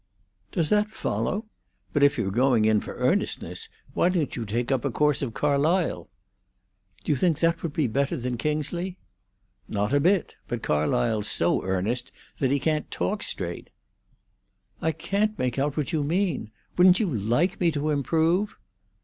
"Does that follow? But if you're going in for earnestness, why don't you take up a course of Carlyle?" "Do you think that would be better than Kingsley?" "Not a bit. But Carlyle's so earnest that he can't talk straight." "I can't make out what you mean. Wouldn't you like me to improve?"